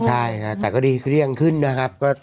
ใช่แต่ก็ดีเครี่ยงขึ้นนะครับ